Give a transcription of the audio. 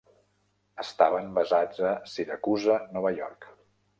Estaven basats a Syracuse, Nova York.